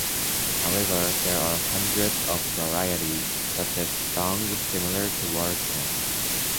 However, there are hundreds of varieties, such as songs similar to war chant.